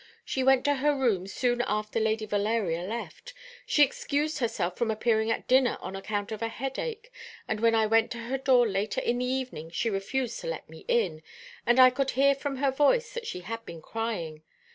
She went to her room soon after Lady Valeria left. She excused herself from appearing at dinner on account of a headache, and when I went to her door later in the evening she refused to let me in, and I could hear from her voice that she had been crying.